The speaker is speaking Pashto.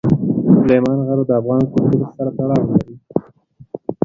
سلیمان غر د افغان کلتور سره تړاو لري.